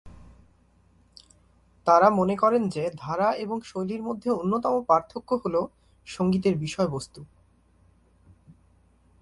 তারা মনে করেন যে, ধারা এবং শৈলীর মধ্যে অন্যতম পার্থক্য হল সঙ্গীতের বিষয়বস্তু।